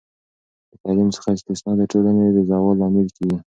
د تعلیم څخه استثنا د ټولنې د زوال لامل کیږي.